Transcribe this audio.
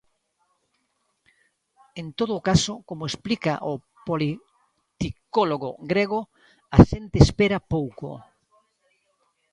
En todo caso, como explica o politicólogo grego: A xente espera pouco.